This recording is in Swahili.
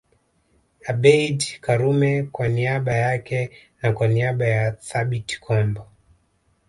Abeid Karume kwa niaba yake na kwa niaba ya Thabit Kombo